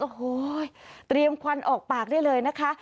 โอ้โหเตรียมควันออกปากได้เลยนะคะ